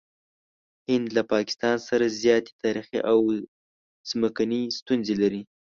هند له پاکستان سره زیاتې تاریخي او ځمکني ستونزې لري.